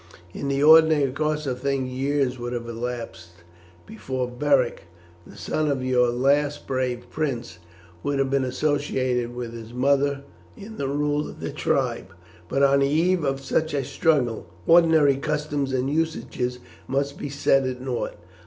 In the ordinary course of things years would have elapsed before Beric, the son of your last brave prince, would have been associated with his mother in the rule of the tribe; but on the eve of such a struggle ordinary customs and usages must be set at nought.